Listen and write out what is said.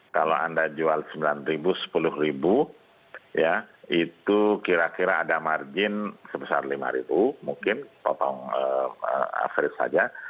kalau anda jual rp sembilan sepuluh ribu ya itu kira kira ada margin sebesar rp lima mungkin potong average saja